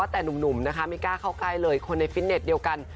แต่หนุ่มนะคะไม่กล้าเข้าใกล้เลยคนในฟิตเน็ตเดียวกัน